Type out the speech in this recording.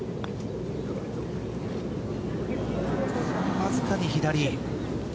わずかに左。